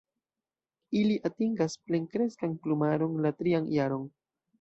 Ili atingas plenkreskan plumaron la trian jaron.